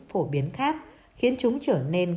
phổ biến khác khiến chúng trở nên